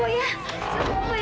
ayu diam dulu sayang